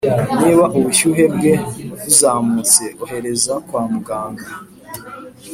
niba ubushyuhe bwe buzamutse, ohereza kwa muganga